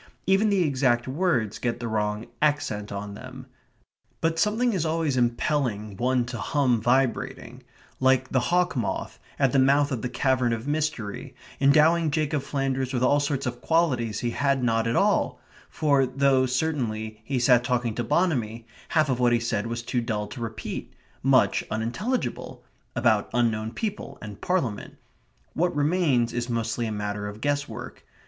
Even the exact words get the wrong accent on them. But something is always impelling one to hum vibrating, like the hawk moth, at the mouth of the cavern of mystery, endowing Jacob Flanders with all sorts of qualities he had not at all for though, certainly, he sat talking to Bonamy, half of what he said was too dull to repeat; much unintelligible (about unknown people and Parliament); what remains is mostly a matter of guess work.